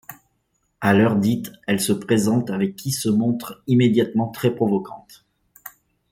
À l'heure dite, elle se présente avec qui se montre immédiatement très provocante.